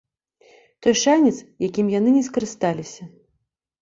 Той шанец, якім яны не скарысталіся.